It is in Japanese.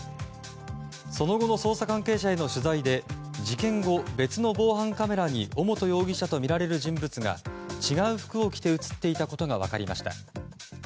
その後の捜査関係者への取材で事件後、別の防犯カメラに尾本容疑者とみられる人物が違う服を着て映っていたことが分かりました。